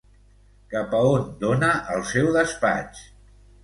Cap a on dona el seu despatx?